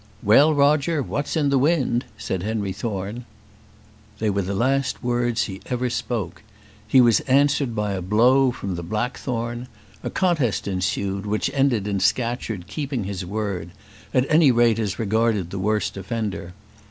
"Well, Roger, what's in the wind?" said Henry Thorne. They were the last words he ever spoke. He was answered by a blow from the blackthorn. A contest ensued, which ended in Scatcherd keeping his word at any rate, as regarded the worst offender.